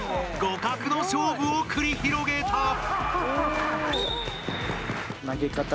互角の勝負を繰り広げた！